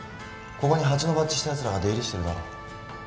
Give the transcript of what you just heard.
ここに蜂のバッジしたやつらが出入りしてるだろ。